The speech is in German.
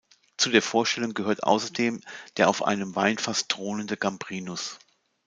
Zu der Vorstellung gehört außerdem der auf einem Weinfass thronende „Gambrinus“.